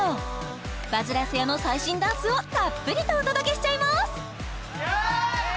バズらせ屋の最新ダンスをたっぷりとお届けしちゃいますイエーイ！